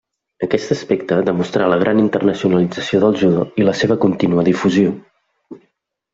Aquest aspecte demostra la gran internacionalització del judo i la seva contínua difusió.